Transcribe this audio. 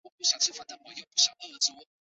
庙内有一尊清治时期的土地婆像。